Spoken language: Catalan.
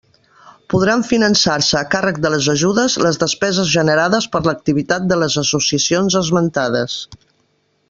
Podran finançar-se a càrrec de les ajudes les despeses generades per l'activitat de les associacions esmentades.